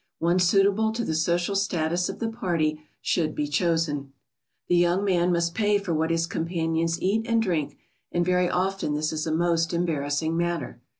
One suitable to the social status of the party should be chosen. [Sidenote: The man pays.] The young man must pay for what his companions eat and drink, and very often this is a most embarrassing matter.